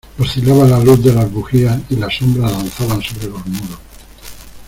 oscilaba la luz de las bujías, y las sombras danzaban sobre los muros.